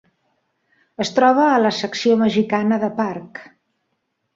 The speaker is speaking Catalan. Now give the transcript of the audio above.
Es troba a la secció mexicana de parc.